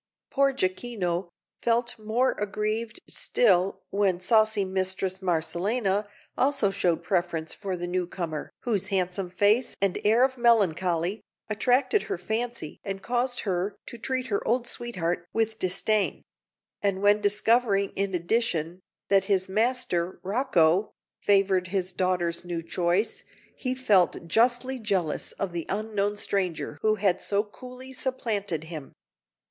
Poor Jacquino felt more aggrieved still when saucy Mistress Marcellina also showed preference for the newcomer whose handsome face and air of melancholy attracted her fancy and caused her to treat her old sweetheart with disdain; and when discovering in addition that his master, Rocco, favoured his daughter's new choice, he felt justly jealous of the unknown stranger who had so coolly supplanted him.